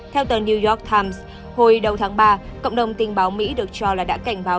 theo tờ new york times hồi đầu tháng ba cộng đồng tình báo mỹ được cho là đã cảnh báo